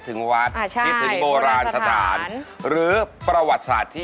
ถ้าเราพูดถึงสุโขทัย